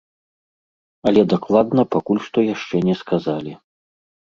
Але дакладна пакуль што яшчэ не сказалі.